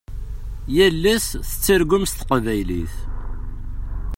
Yal ass tettargum s teqbaylit.